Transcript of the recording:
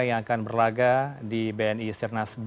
yang akan berlaga di bni sirnas b